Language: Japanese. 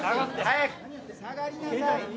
早く下がりなさい。